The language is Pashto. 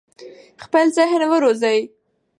خپل ذهن وروزی.